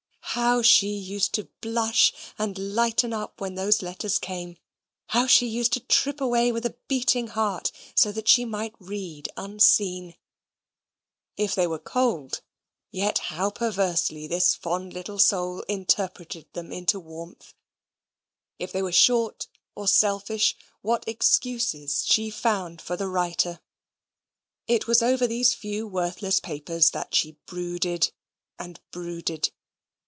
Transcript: How she used to blush and lighten up when those letters came! How she used to trip away with a beating heart, so that she might read unseen! If they were cold, yet how perversely this fond little soul interpreted them into warmth. If they were short or selfish, what excuses she found for the writer! It was over these few worthless papers that she brooded and brooded.